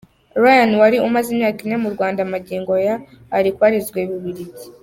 Ryan wari umaze imyaka ine mu Rwanda, magingo aya ari kubarizwa mu Bubiligi.